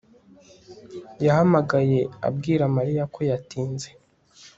yahamagaye abwira mariya ko yatinze